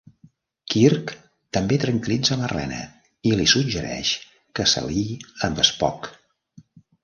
Kirk també tranquil·litza Marlena i li suggereix que s'aliï amb Spock.